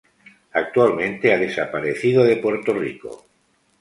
Actualmente ha desaparecido de Puerto Rico.